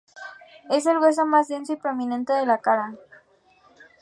Es el hueso más denso y prominente de la cara.